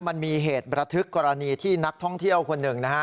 มันมีเหตุประทึกกรณีที่นักท่องเที่ยวคนหนึ่งนะฮะ